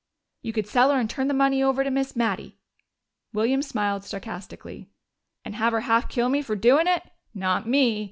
"You could sell her and turn the money over to Miss Mattie." William smiled sarcastically. "And have her half kill me for doin' it? Not me!